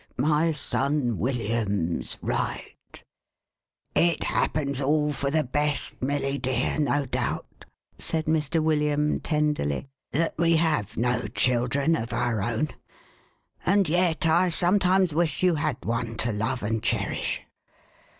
My son William's right !"" It happens all for the best, Milly dear, no doubt," said Mr. William, tenderly, " that we have no children of our own ; and yet I sometimes wish you had one to love and cherish.